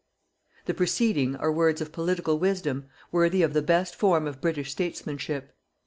The preceding are words of political wisdom, worthy of the best form of British statesmanship.